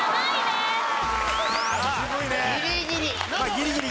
ギリギリ！